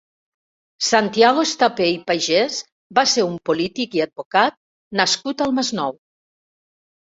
Santiago Estapé i Pagès va ser un polític i advocat nascut al Masnou.